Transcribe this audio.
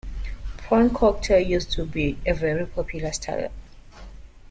Prawn cocktail used to be a very popular starter